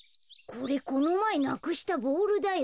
これこのまえなくしたボールだよ。